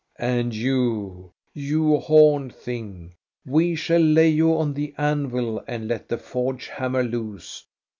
"And you, you horned thing, we shall lay you on the anvil and let the forge hammer loose.